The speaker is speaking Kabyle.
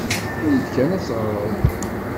Awi-d kan ad teɣreḍ.